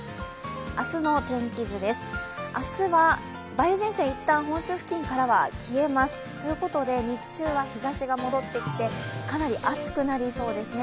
明日の天気図です、明日は梅雨前線一旦、本州付近からは消えます、ということで日中は日ざしが戻ってきてかなり暑くなりそうですね。